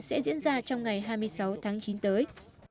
sẽ diễn ra trong ngày hai mươi sáu tháng chín tới